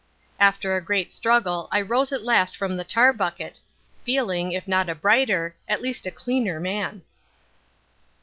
After a great struggle I rose at last from the tar bucket, feeling, if not a brighter, at least a cleaner man.